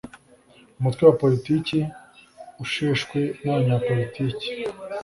umutwe wa politiki usheshwe n’abanyapolitiki